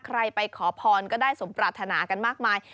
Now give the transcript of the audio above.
ไปขอพรก็ได้สมปรารถนากันมากมาย